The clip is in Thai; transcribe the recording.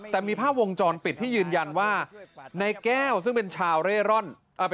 แต่มีภาพวงจรปิดที่ยืนยันว่าในแก้วซึ่งเป็นชาวเร่ร่อน